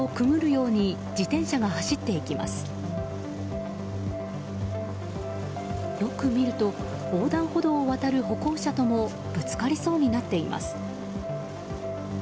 よく見ると横断歩道を渡る歩行者ともぶつかりそうになっています。